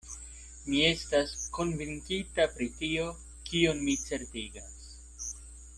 Mi estas konvinkita pri tio, kion mi certigas.